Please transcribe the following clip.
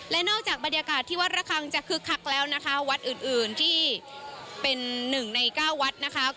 และนอกจากบรรยากาศที่วัดระคังจะคึกคักแล้วนะคะวัดอื่นที่เป็นหนึ่งในเก้าวัดนะคะ